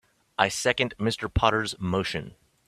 I second Mr. Potter's motion.